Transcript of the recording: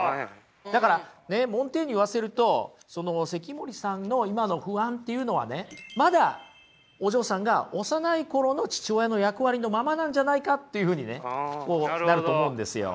だからねモンテーニュに言わせると関森さんの今の不安っていうのはねまだお嬢さんが幼い頃の父親の役割のままなんじゃないかっていうふうにねなると思うんですよ。